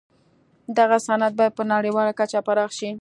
دغه صنعت باید په نړیواله کچه پراخ شي